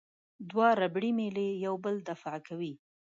دوه ربړي میلې یو بل دفع کوي.